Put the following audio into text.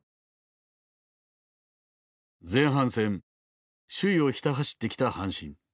前半戦首位をひた走ってきた阪神。